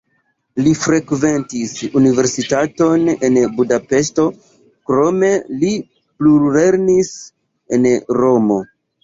Li frekventis universitaton en Budapeŝto, krome li plulernis en Romo.